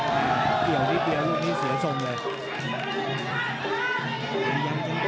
อันนี้เสียทรงเลย